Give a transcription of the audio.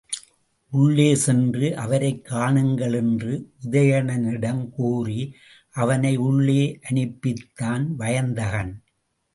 உள்ளே சென்று அவரைக் காணுங்கள் என்று உதயணனிடம் கூறி அவனை உள்ளே அனுப்பித்தான் வயந்தகன்.